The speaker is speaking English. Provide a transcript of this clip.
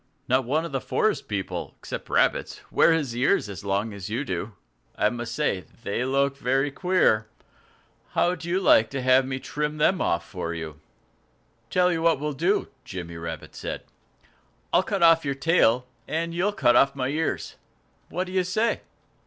"Not one of the forest people except rabbits wears his ears so long as you do. I must say that they look very queer. How'd you like to have me trim them for you?" "Tell you what we'll do," Jimmy Rabbit said. "I'll cut off your tail and you'll cut off my ears. What do you say?"